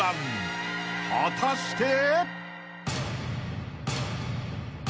［果たして］